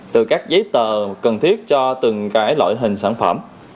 từ các giấy tờ cần thiết cho từng loại hình sản phẩm